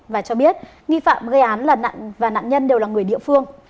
và cho biết nghi phạm gây án là nạn và nạn nhân đều là người địa phương